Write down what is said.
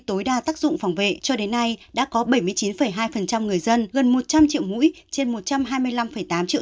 tối đa tác dụng phòng vệ cho đến nay đã có bảy mươi chín hai người dân gần một trăm linh triệu mũi trên một trăm hai mươi năm tám triệu